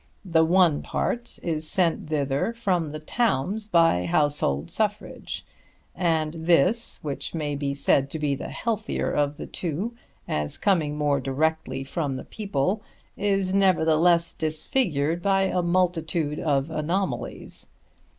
The one part is sent thither from the towns by household suffrage; and, this, which may be said to be the healthier of the two as coming more directly from the people, is nevertheless disfigured by a multitude of anomalies.